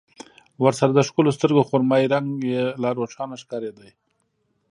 ورسره د ښکلو سترګو خرمايي رنګ يې لا روښانه ښکارېده.